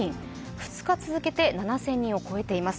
２日続けて７０００人を超えています。